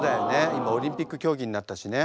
今オリンピック競技になったしね。